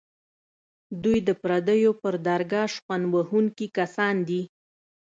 دوی د پردو پر درګاه شخوند وهونکي کسان دي.